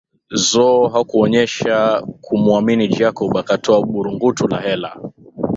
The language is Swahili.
Zo hakuonyesha kumuamini Jacob akatoa burungutu la hela